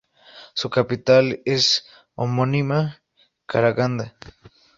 Su capital es la homónima Karagandá.